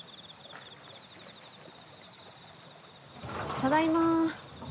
ただいま。